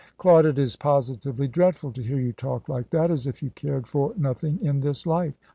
"Claude, it is positively dreadful to hear you talk like that, as if you cared for nothing in this life."